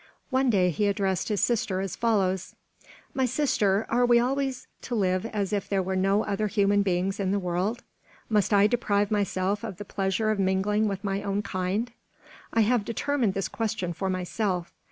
One day he addressed his sister as follows: "My sister, are we always to live as if there were no other human beings in the world? Must I deprive myself of the pleasure of mingling with my own kind? I have determined this question for myself.